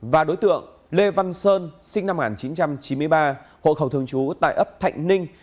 và đối tượng lê văn sơn sinh năm một nghìn chín trăm chín mươi ba hộ khẩu thường trú tại ấp thạnh ninh